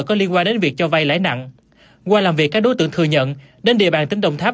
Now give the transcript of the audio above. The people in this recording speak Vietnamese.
có liên quan đến việc cho vay lãi nặng qua làm việc các đối tượng thừa nhận đến địa bàn tỉnh đồng tháp